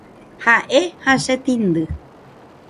Ha'e ha chetĩndy.